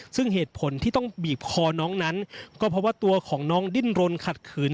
ซึ่งเหตุผลที่ต้องบีบคอน้องนั้นก็เพราะว่าตัวของน้องดิ้นรนขัดขืน